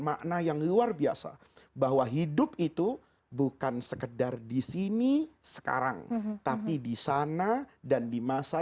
makna yang luar biasa bahwa hidup itu bukan sekedar di sini sekarang tapi di sana dan di masa